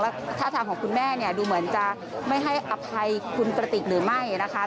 ท่าทางของคุณแม่เนี่ยดูเหมือนจะไม่ให้อภัยคุณกระติกหรือไม่นะคะ